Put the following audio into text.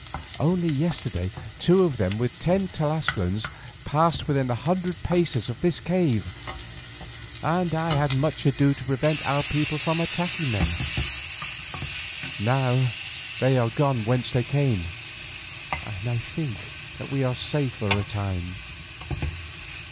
Only yesterday two of them with ten Tlascalans, passed within a hundred paces of this cave and I had much ado to prevent our people from attacking them. Now they are gone whence they came, and I think that we are safe for a time.